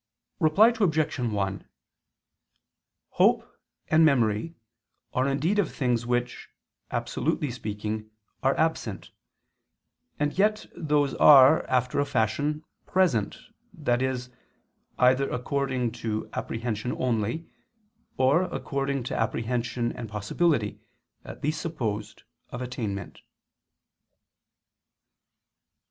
Reply Obj. 1: Hope and memory are indeed of things which, absolutely speaking, are absent: and yet those are, after a fashion, present, i.e. either according to apprehension only; or according to apprehension and possibility, at least supposed, of attainment.